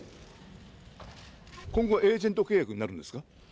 今後、エージェント契約になるんですか？